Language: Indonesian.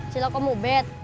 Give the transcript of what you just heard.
cilok om dumuh bet